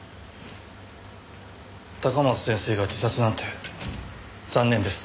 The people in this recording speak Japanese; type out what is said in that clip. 高松先生が自殺なんて残念です。